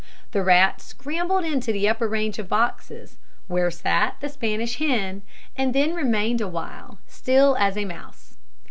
The rat scrambled into the upper range of boxes, where sat the Spanish hen, and then remained awhile still as a mouse.